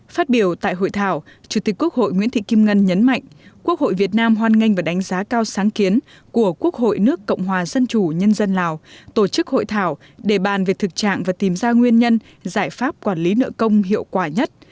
phát biểu tại hội thảo chủ tịch quốc hội nguyễn thị kim ngân nhấn mạnh quốc hội việt nam hoan nghênh và đánh giá cao sáng kiến của quốc hội nước cộng hòa dân chủ nhân dân lào tổ chức hội thảo để bàn về thực trạng và tìm ra nguyên nhân giải pháp quản lý nợ công hiệu quả nhất